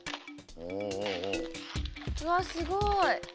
うわっすごい。